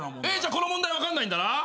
この問題分かんないんだな。